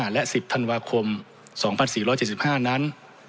และ๑๐ธันวาคม๒๔๗๕นั้น